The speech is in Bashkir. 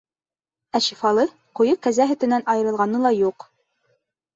Ә шифалы, ҡуйы кәзә һөтөнән айырылғаны ла юҡ.